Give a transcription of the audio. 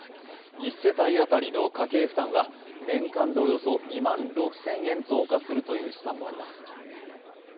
１世帯当たりの家計負担は年間でおよそ２万６０００円増加するという試算もあります。